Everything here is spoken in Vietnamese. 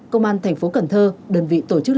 công an thành phố cần thơ đơn vị tổ chức